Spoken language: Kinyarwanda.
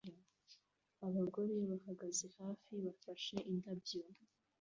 Abagore bahagaze hafi bafashe indabyo